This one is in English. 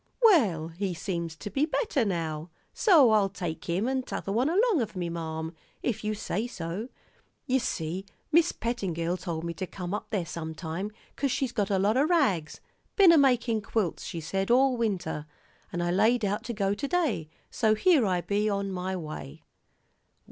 "Well, he seems to be better now, so I'll take him and t'other one along of me, marm, if you say so. Ye see, Mis' Pettingill told me to come up there sometime, 'cause she's got a lot o' rags ben a makin' quilts, she said, all winter, and I laid out to go to day, so here I be, on my way."